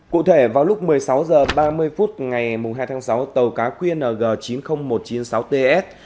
cụ thể vào lúc một mươi sáu h ba mươi phút ngày hai tháng sáu tàu cá qng chín mươi nghìn một trăm chín mươi sáu ts